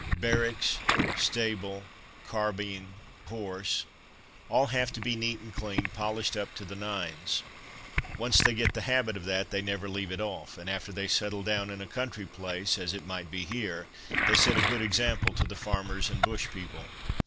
Barracks—stable—carbine—horse—all have to be neat and clean, polished up to the nines. Once they get the habit of that they never leave it off, and after they settle down in a country place, as it might be here, they set a good example to the farmers and bush people."